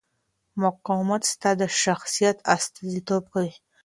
مقاومت ستا د شخصیت استازیتوب کوي.